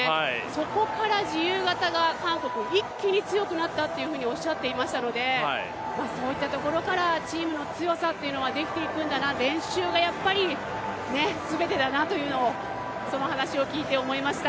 そこから自由形が韓国、一気に強くなったとおっしゃっていましたので、そういったところからチームの強さというのはできていくんだな、練習がやっぱり全てだなと、その話を聞いて思いました。